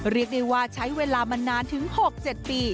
เรียกได้ว่าใช้เวลามานานถึง๖๗ปี